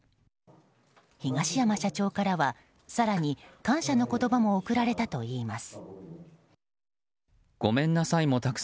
東山社長からは更に感謝の言葉も送られたといいます。